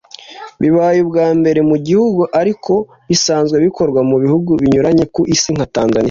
bibaye ubwa mbere mu gihugu ariko bisanzwe bikorwa mu bihugu binyuranye ku isi nka Tanzaniya